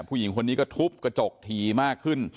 ผู้หญิงคนนี้ก็ทุบกระจกทีมากขึ้น